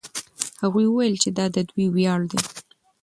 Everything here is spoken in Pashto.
هغوی وویل چې دا د دوی ویاړ دی.